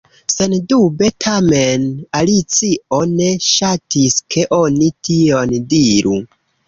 Sendube! Tamen Alicio ne ŝatis ke oni tion diru.